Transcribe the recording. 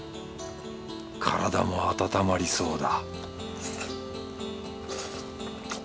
体も温まりそうだ